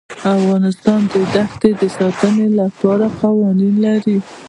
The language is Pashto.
افغانستان د ښتې د ساتنې لپاره قوانین لري.